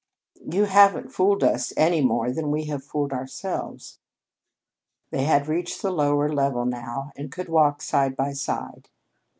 "You haven't fooled us any more than we have fooled ourselves." They had reached the lower level now, and could walk side by side.